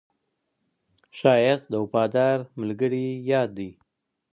ښایست د وفادار ملګري یاد دی